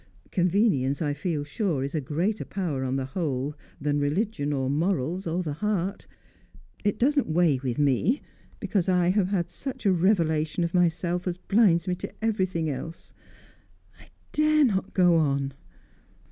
Convenience, I feel sure, is a greater power on the whole than religion or morals or the heart. It doesn't weigh with me, because I have had such a revelation of myself as blinds me to everything else. I dare not go on!"